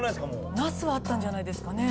なすはあったんじゃないですかね？